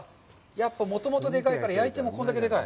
やっぱり、もともとでかいから、焼いても、これだけでかい。